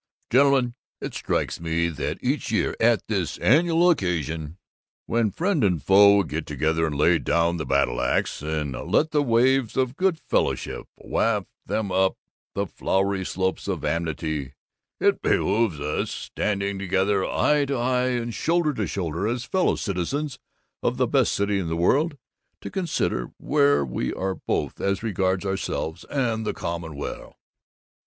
"'Gentlemen, it strikes me that each year at this annual occasion when friend and foe get together and lay down the battle ax and let the waves of good fellowship waft them up the flowery slopes of amity, it behooves us, standing together eye to eye and shoulder to shoulder as fellow citizens of the best city in the world, to consider where we are both as regards ourselves and the common weal.